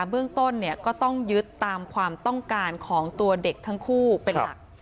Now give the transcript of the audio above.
เบื้องต้นก็ต้องยึดตามความต้องการของตัวเด็กทั้งคู่เป็นหลัก